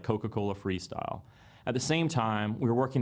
untuk menyertai kami dalam perjalanan ini